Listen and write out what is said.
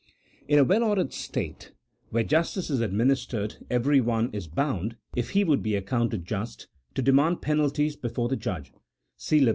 In a well ordered state where justice is administered every one is bound, if he would be accounted just, to de mand penalties before the judge (see Lev.